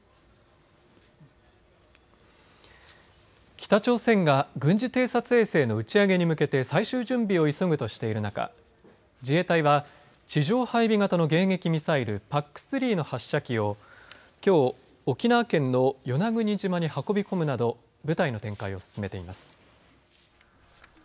北朝鮮が軍事偵察衛星の打ち上げに向けて最終準備を急ぐとしている中自衛隊は地上配備型の迎撃ミサイル迎撃ミサイルＰＡＣ３の発射機をきょう、沖縄県の与那国島に運び込むなど部隊の展開を進めています。